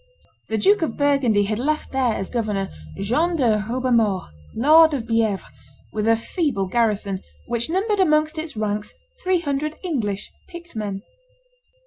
The Duke of Burgundy had left there as governor John de Rubemprd, lord of Bievres, with a feeble garrison, which numbered amongst its ranks three hundred English, picked men.